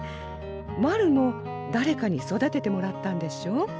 マルも誰かに育ててもらったんでしょ。